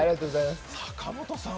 坂本さん